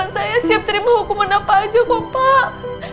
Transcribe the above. saya siap terima hukuman apa aja kok pak